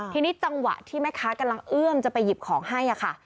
ทีนี้จังหวะที่แม่ค้ากำลังเอื้อมจะไปหยิบของให้ค่ะ